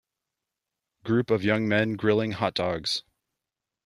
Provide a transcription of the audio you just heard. Group of young men grilling hotdogs.